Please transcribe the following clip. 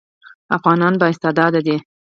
افغانان با استعداده دي